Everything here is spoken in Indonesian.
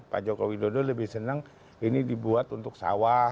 pak jokowi dodo lebih senang ini dibuat untuk sawah